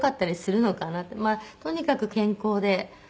まあとにかく健康で。